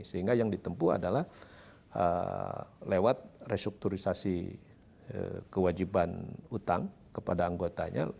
sehingga yang ditempuh adalah lewat restrukturisasi kewajiban utang kepada anggotanya